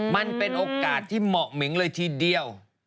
มันเป็นโอกาสที่เหมาะเหม็งเลยทีเดียว